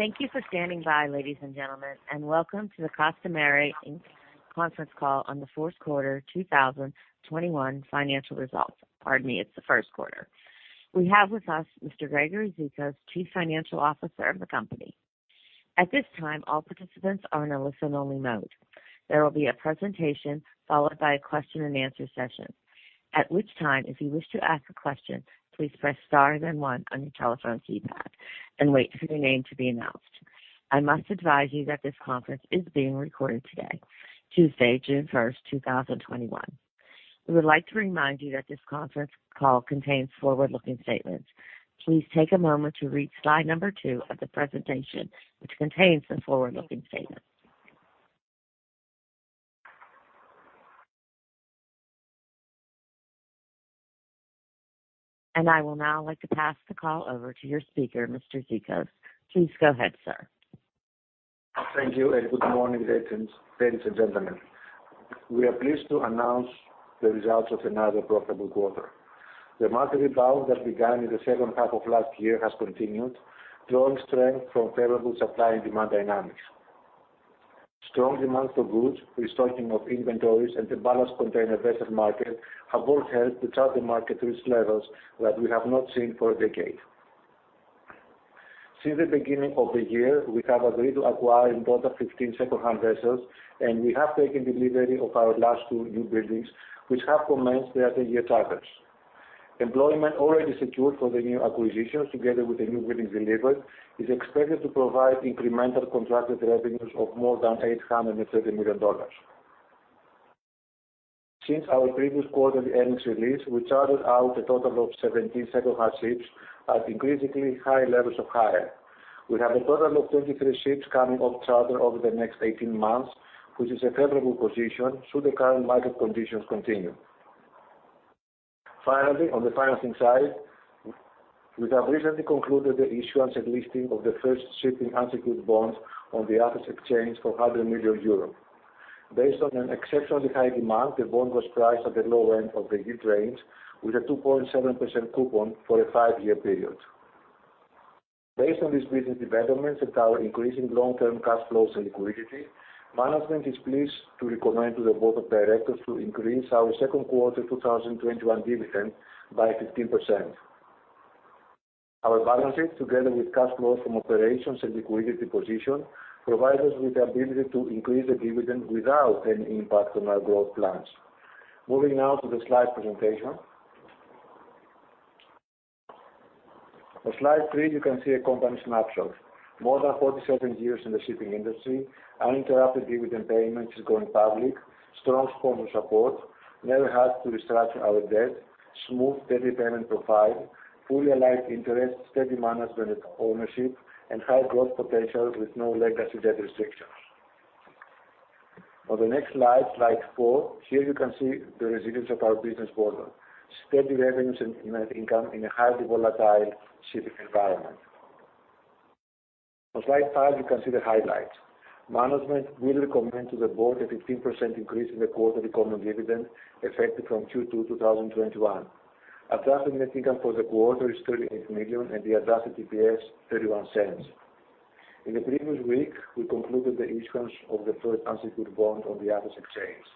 Thank you for standing by, ladies and gentlemen, and welcome to the Costamare Inc. conference call on the fourth quarter 2021 financial results. Pardon me, it's the first quarter. We have with us Mr. Gregory Zikos, Chief Financial Officer of the company. At this time, all participants are in a listen-only mode. There will be a presentation followed by a question-and-answer session. At which time, if you wish to ask a question, please press star then one on your telephone keypad and wait for your name to be announced. I must advise you that this conference is being recorded today, Tuesday, June 1st, 2021. We would like to remind you that this conference call contains forward-looking statements. Please take a moment to read slide number two of the presentation, which contains the forward-looking statement. I will now like to pass the call over to your speaker, Mr. Zikos. Please go ahead, sir. Thank you. Good morning, ladies and gentlemen. We are pleased to announce the results of another profitable quarter. The market rebound that began in the second half of last year has continued, drawing strength from favorable supply and demand dynamics. Strong demand for goods, restocking of inventories, and a balanced container vessel market have all helped to chart the market to its levels that we have not seen for a decade. Since the beginning of the year, we have agreed to acquire in total 15 secondhand vessels, and we have taken delivery of our last two newbuildings, which have commenced their three-year charters. Employment already secured for the new acquisitions together with the newbuilding delivery is expected to provide incremental contracted revenues of more than $830 million. Since our previous quarterly earnings release, we chartered out a total of 17 secondhand ships at increasingly high levels of hire. We have a total of 23 ships coming off charter over the next 18 months, which is a favorable position should the current market conditions continue. Finally, on the financing side, we have recently concluded the issuance and listing of the first shipping unsecured bonds on the Athens Exchange for 100 million euros. Based on an exceptionally high demand, the bond was priced at the low end of the yield range, with a 2.7% coupon for a five-year period. Based on these business developments and our increasing long-term cash flows and liquidity, management is pleased to recommend to the Board of Directors to increase our second quarter 2021 dividend by 15%. Our balance sheet, together with cash flows from operations and liquidity position, provide us with the ability to increase the dividend without any impact on our growth plans. Moving now to the slide presentation. On slide three, you can see a company snapshot. More than 47 years in the shipping industry, uninterrupted dividend payments since going public, strong sponsor support, never had to restructure our debt, smooth debt repayment profile, fully aligned interests, steady management ownership, and high growth potential with no legacy debt restrictions. On the next slide four, here you can see the resilience of our business model. Steady revenues and net income in a highly volatile shipping environment. On slide five, you can see the highlights. Management will recommend to the board a 15% increase in the quarterly common dividend effective from Q2 2021. Adjusted net income for the quarter is $38 million, and the adjusted EPS $0.31. In the previous week, we concluded the issuance of the first unsecured bond on the Athens Exchange.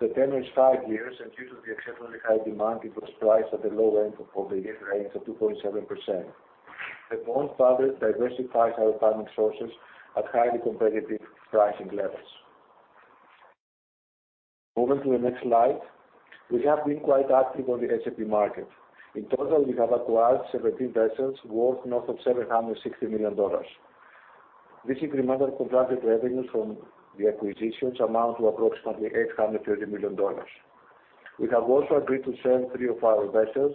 The tenure is five years, and due to the exceptionally high demand, it was priced at the low end of the yield range of 2.7%. The bond further diversifies our funding sources at highly competitive pricing levels. Moving to the next slide. We have been quite active on the S&P market. In total, we have acquired 17 vessels worth north of $760 million. These incremental contracted revenues from the acquisitions amount to approximately $830 million. We have also agreed to sell three of our vessels.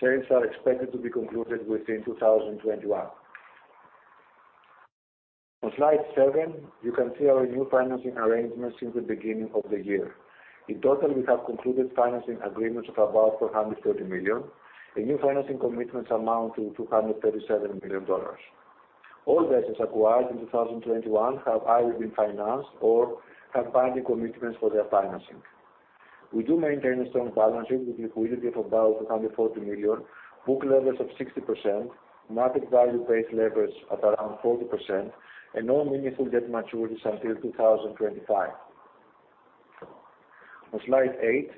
Sales are expected to be concluded within 2021. On slide seven, you can see our new financing arrangements since the beginning of the year. In total, we have concluded financing agreements of about $430 million, and new financing commitments amount to $237 million. All vessels acquired in 2021 have either been financed or have binding commitments for their financing. We do maintain a strong balance sheet with liquidity of about $240 million, book levers of 60%, market value-based leverage at around 40%, and no meaningful debt maturities until 2025. On slide eight,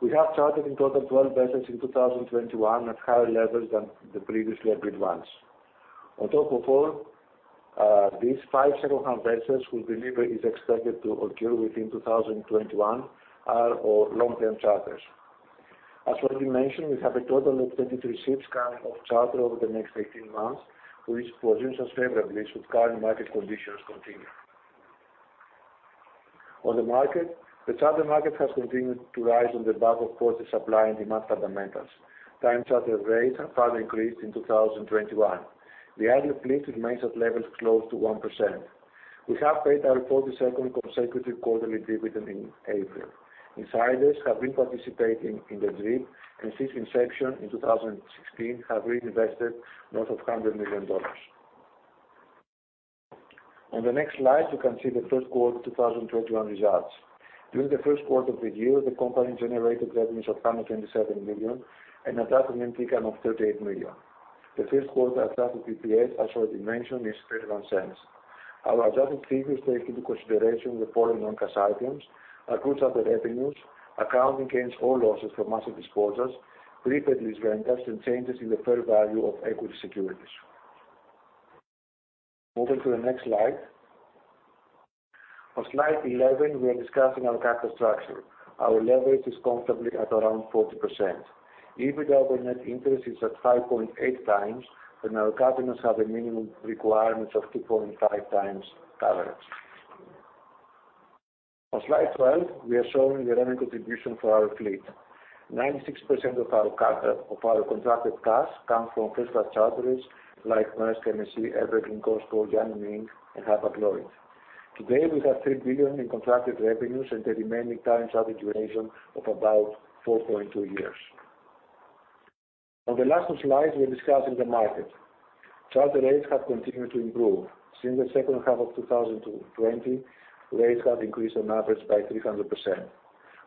we have chartered in total 12 vessels in 2021 at higher levels than the previously agreed ones. On top of all, these five secondhand vessels whose delivery is expected to occur within 2021 are on long-term charters. As already mentioned, we have a total of 23 ships coming off charter over the next 18 months, which positions us favorably should current market conditions continue. On the market, the charter market has continued to rise on the back of positive supply and demand fundamentals. Time charter rates have further increased in 2021. The idle fleet remains at levels close to 1%. We have paid our 42nd consecutive quarterly dividend in April. Insiders have been participating in the DRIP, and since inception in 2016 have reinvested north of $100 million. On the next slide, you can see the first quarter 2021 results. During the first quarter of the year, the company generated revenues of $127 million and adjusted net income of $38 million. The first quarter adjusted EPS, as already mentioned, is $0.31. Our adjusted figures take into consideration the following non-cash items: accrued upfront revenues, accounting gains or losses from asset disposals, prepaid lease rentals, and changes in the fair value of equity securities. Moving to the next slide. On slide 11, we are discussing our capital structure. Our leverage is comfortably at around 40%. EBITDA on net interest is at 5.8x, and our covenants have a minimum requirement of 2.5x coverage. On slide 12, we are showing the revenue contribution for our fleet. 96% of our contracted cargoes come from first-class charterers like Maersk, MSC, Evergreen, COSCO, Yang Ming, and Hapag-Lloyd. Today, we have $3 billion in contracted revenues and the remaining time charter duration of about 4.2 years. On the last two slides, we're discussing the market. Charter rates have continued to improve. Since the second half of 2020, rates have increased on average by 300%.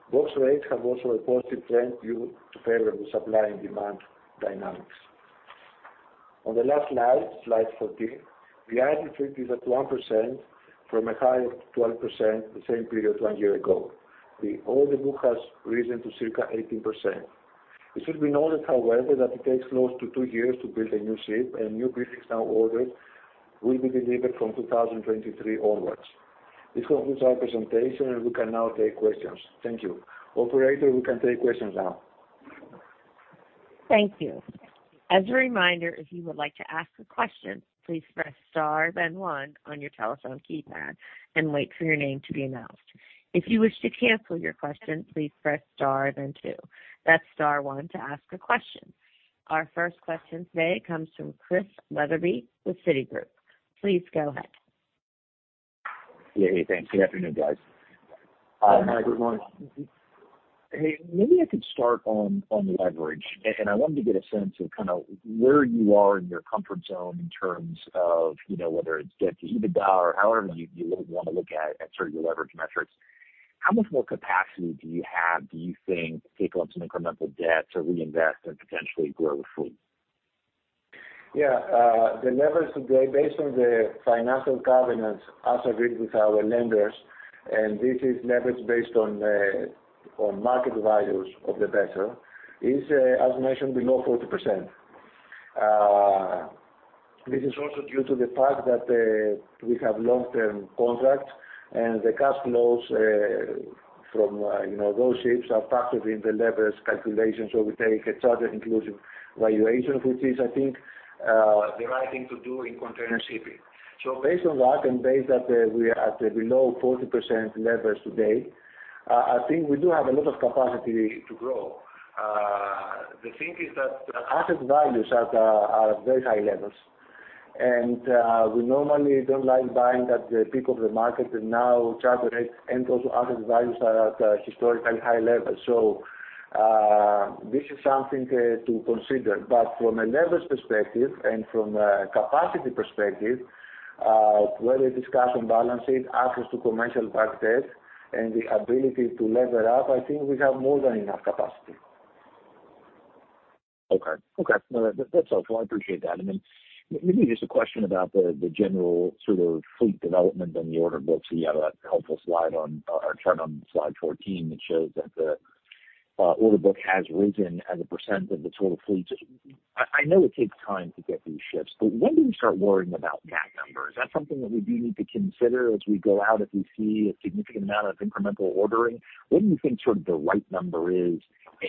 Box rates have also a positive trend due to favorable supply and demand dynamics. On the last slide 14, the idle fleet is at 1% from a high of 12% the same period one year ago. The order book has risen to circa 18%. It should be noted, however, that it takes close to two years to build a new ship, and new buildings now ordered will be delivered from 2023 onwards. This concludes our presentation, and we can now take questions. Thank you. Operator, we can take questions now. Thank you. As a reminder, if you would like to ask a question, please press star then one on your telephone keypad and wait for your name to be announced. If you wish to cancel your question, please press star then two. That's star one to ask a question. Our first question today comes from Chris Wetherbee with Citigroup. Please go ahead. Hey, thanks. Good afternoon, guys. Hi. Good morning. Hey, maybe I could start on the leverage. I wanted to get a sense of where you are in your comfort zone in terms of whether it's debt to EBITDA or however you want to look at it and your leverage metrics. How much more capacity do you have, do you think, to take on some incremental debt to reinvest and potentially grow fleet? The leverage today, based on the financial covenants as agreed with our lenders, and this is leverage based on market values of the vessel, is, as mentioned, below 40%. This is also due to the fact that we have long-term contracts and the cash flows from those ships are factored in the leverage calculation. We take a charter inclusive valuation, which is, I think, the right thing to do in container shipping. Based on that, and based that we are at below 40% leverage today, I think we do have a lot of capacity to grow. The thing is that asset values are at very high levels, and we normally don't like buying at the peak of the market. Now charter rates and also asset values are at historically high levels. This is something to consider. From a leverage perspective and from a capacity perspective, whether it is cash on balance sheet, access to commercial bank debt, and the ability to lever up, I think we have more than enough capacity. Okay. No, that's helpful. I appreciate that. Maybe just a question about the general fleet development and the order book. You have that helpful chart on slide 14 that shows that the order book has risen as a percent of the total fleet. I know it takes time to get these ships, when do we start worrying about that number? Is that something that we do need to consider as we go out, if we see a significant amount of incremental ordering? What do you think the right number is,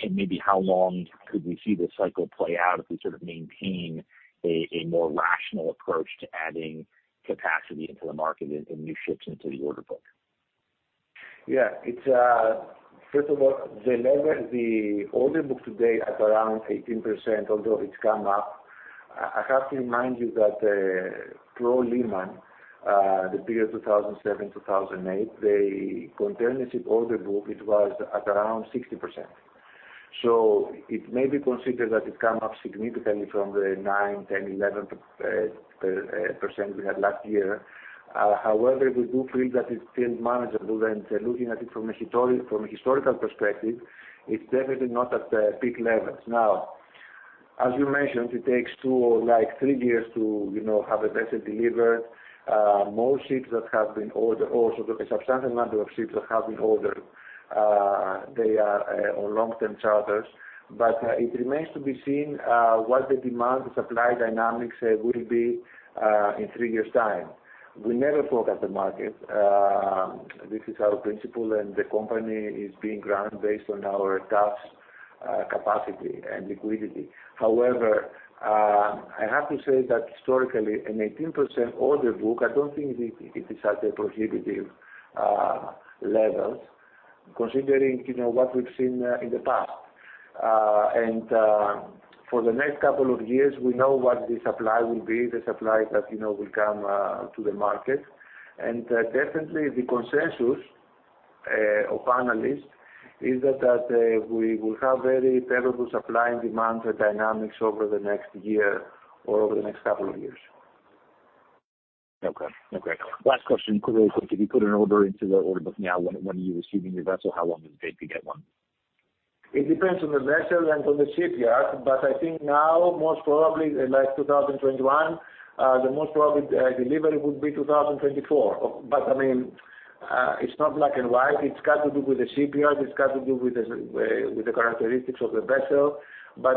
and maybe how long could we see this cycle play out if we maintain a more rational approach to adding capacity into the market and new ships into the order book? First of all, the order book today at around 18%, although it's come up. I have to remind you that pre-Lehman, the period 2007-2008, the container ship order book, it was at around 60%. It may be considered that it come up significantly from the 9%, 10%, 11% we had last year. However, we do feel that it's still manageable, and looking at it from a historical perspective, it's definitely not at peak levels. As you mentioned, it takes two or three years to have a vessel delivered. Most ships that have been ordered, also the substantial number of ships that have been ordered, they are on long-term charters. It remains to be seen what the demand and supply dynamics will be in three years' time. We never forecast the market. This is our principle, and the company is being run based on our cash capacity and liquidity. However, I have to say that historically, an 18% order book, I don't think it is at a prohibitive levels considering what we've seen in the past. For the next couple of years, we know what the supply will be, the supply that will come to the market. Definitely the consensus of analysts is that we will have very favorable supply and demand dynamics over the next year or over the next couple of years. Okay. Last question, if you put an order into the order book now, when you are receiving your vessel, how long would that be, that one? It depends on the vessel and on the shipyard, but I think now, most probably in 2021, the most probably delivery would be 2024. It's not black and white. It's got to do with the shipyard. It's got to do with the characteristics of the vessel. I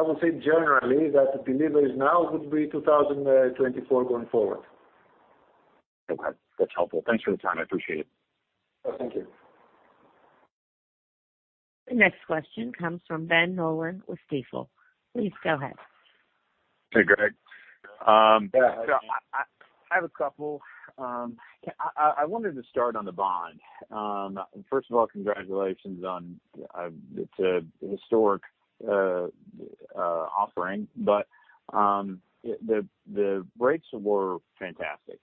would say generally that deliveries now would be 2024 going forward. Okay. That's helpful. Thank you for your time. I appreciate it. Thank you. The next question comes from Ben Nolan with Stifel. Please go ahead. Hey, Greg. Yes. I have a couple. I wanted to start on the bond. First of all, congratulations on, it's a historic offering, the rates were fantastic,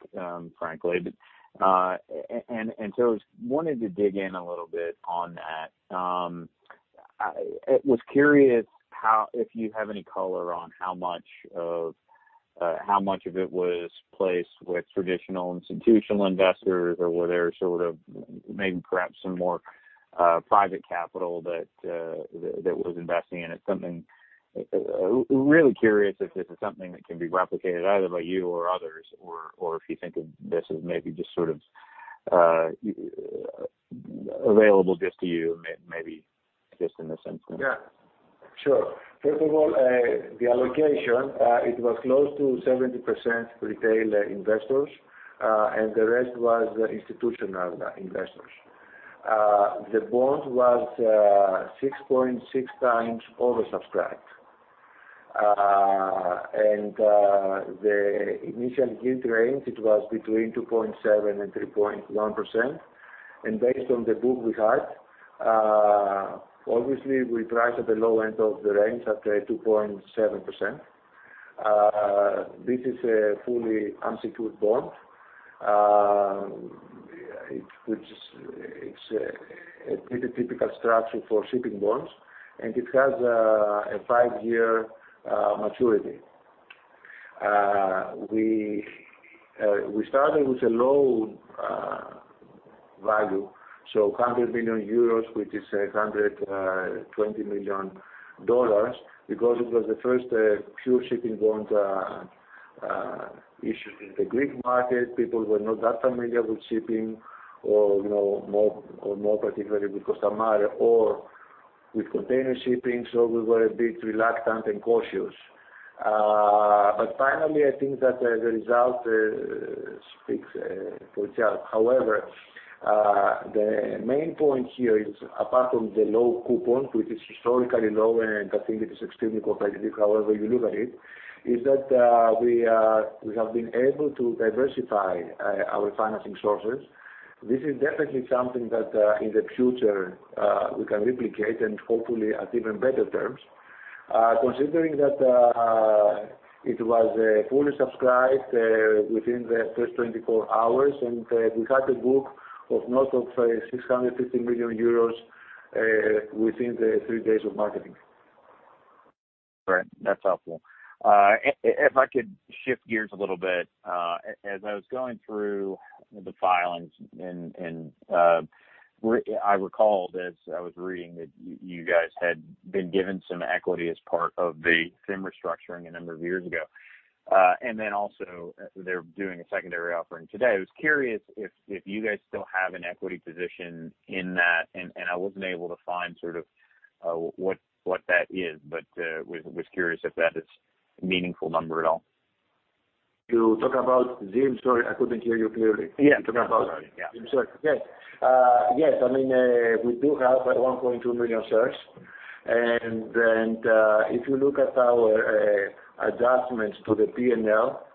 frankly. I wanted to dig in a little bit on that. I was curious if you have any color on how much of it was placed with traditional institutional investors, were there sort of maybe perhaps some more private capital that was investing in it. Really curious if this is something that can be replicated either by you or others, if you think of this as maybe just sort of available just to you, maybe just in a sense. Yeah. Sure. First of all, the allocation, it was close to 70% retail investors, and the rest was institutional investors. The bond was 6.6x oversubscribed. The initial yield range, it was between 2.7% and 3.1%. Based on the book we had, obviously we priced at the low end of the range at 2.7%. This is a fully unsecured bond, which is a pretty typical structure for shipping bonds, and it has a five-year maturity. We started with a low value, so 100 million euros, which is $120 million, because it was the first pure shipping bond issued in the Greek market. People were not that familiar with shipping or more particularly with Costamare or with container shipping, so we were a bit reluctant and cautious. Finally, I think that the result speaks for itself. However, the main point here is apart from the low coupon, which is historically low and I think it is extremely competitive however you look at it, is that we have been able to diversify our financing sources. This is definitely something that, in the future, we can replicate and hopefully at even better terms. Considering that it was fully subscribed within the first 24 hours, and we had a book of north of 650 million euros within the three days of marketing. Right. That's helpful. If I could shift gears a little bit, as I was going through the filings and I recall as I was reading that you guys had been given some equity as part of the ZIM restructuring a number of years ago. Also they're doing a secondary offering today. I was curious if you guys still have an equity position in that, and I wasn't able to find sort of what that is, but was curious if that is a meaningful number at all. You talk about ZIM? Sorry, I couldn't hear you clearly. Yeah. Talk about ZIM. Sure. Yes. We do have 1.2 million shares. If you look at our adjustments to the P&L,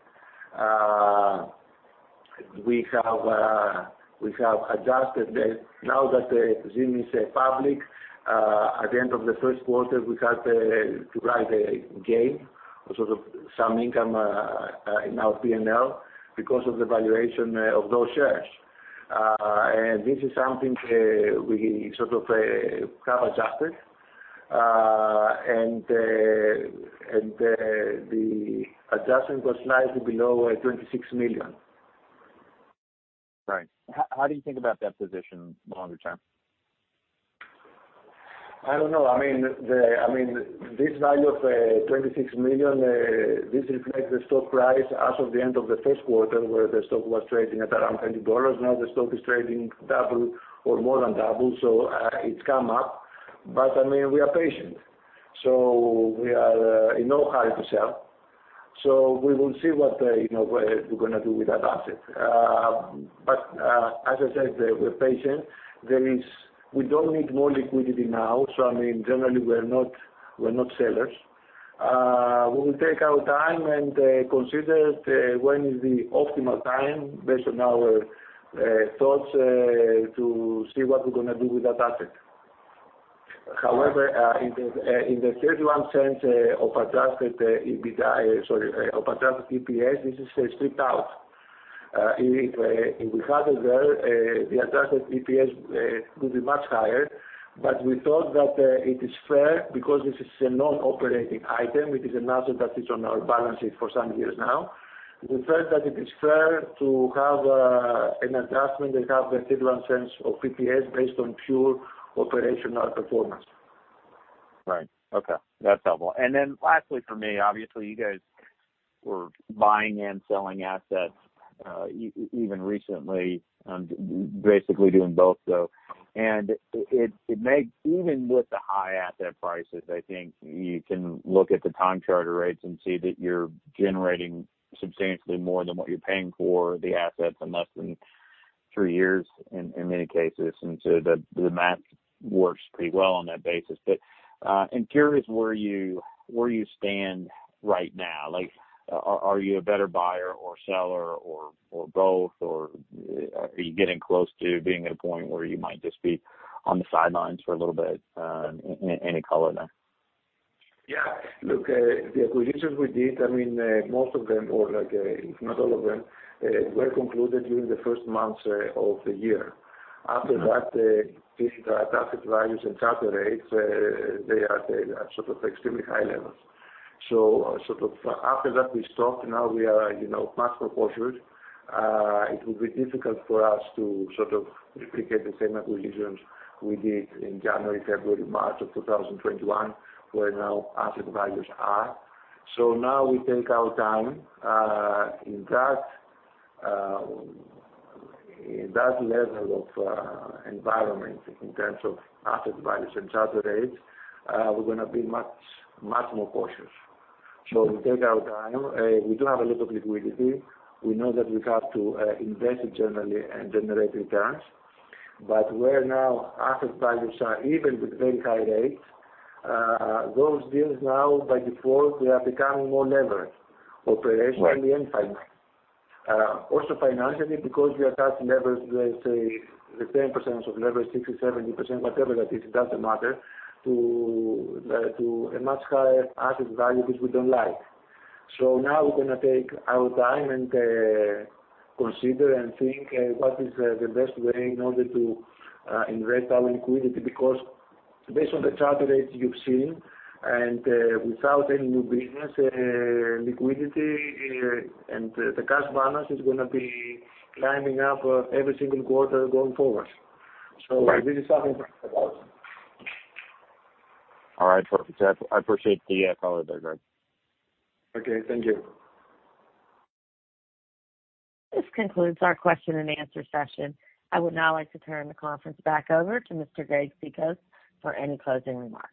we have adjusted. Now that ZIM is public, at the end of the first quarter, we had to write a gain or sort of some income in our P&L because of the valuation of those shares. This is something we sort of have adjusted, and the adjustment was slightly below $26 million. Right. How do you think about that position longer term? I don't know. This value of $26 million, this reflects the stock price as of the end of the first quarter where the stock was trading at around $20. Now the stock is trading double or more than double, it's come up. We are patient, we are in no hurry to sell. We will see what we're going to do with that asset. As I said, we're patient. We don't need more liquidity now, generally, we're not sellers. We will take our time and consider when is the optimal time based on our thoughts to see what we're going to do with that asset. However, in the $0.31 of adjusted EBITDA, sorry, of adjusted EPS, this is stripped out. If we had it there, the adjusted EPS could be much higher. We thought that it is fair because this is a non-operating item. It is an asset that is on our balances for some years now. We felt that it is fair to have an adjustment and have $0.31 of EPS based on pure operational performance. Right. Okay. That's helpful. Then lastly for me, obviously, you guys were buying and selling assets, even recently, basically doing both though. It makes, even with the high asset prices, I think you can look at the time charter rates and see that you're generating substantially more than what you're paying for the assets in less than three years in many cases. The math works pretty well on that basis. I'm curious where you stand right now. Are you a better buyer or seller or both, or are you getting close to being at a point where you might just be on the sidelines for a little bit? Any color there? Yeah. Look, the acquisitions we did, most of them, or if not all of them, were concluded during the first months of the year. After that, given the asset values and charter rates, they are at extremely high levels. After that, we stopped. Now we are much more cautious. It will be difficult for us to replicate the same acquisitions we did in January, February, March of 2021, where now asset values are. Now we take our time. In that level of environment, in terms of asset values and charter rates, we're going to be much more cautious. We take our time. We do have a lot of liquidity. We know that we have to invest it generally and generate returns. Where now asset values are, even with very high rates, those deals now, by default, they are becoming more levered operationally and financially. Financially, because we attach levers, let's say 10% of lever, 60%, 70%, whatever it is, it doesn't matter, to a much higher asset value, which we don't like. Now we're going to take our time and consider and think what is the best way in order to invest our liquidity because based on the charter rates you've seen, and without any new business, liquidity and the cash balance is going to be climbing up every single quarter going forward. Right. This is something to think about. All right. I appreciate the color there, Greg. Okay. Thank you. This concludes our question and answer session. I would now like to turn the conference back over to Mr. Greg Zikos for any closing remarks.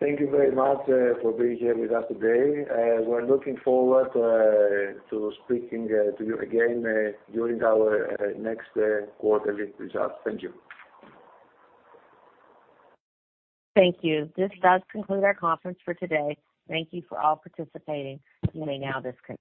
Thank you very much for being here with us today. We're looking forward to speaking to you again during our next quarterly results. Thank you. Thank you. This does conclude our conference for today. Thank you for all participating. You may now disconnect.